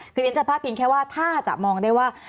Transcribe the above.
คือการจะภาพปิงแค่ว่าถ้าจะมองได้ว่า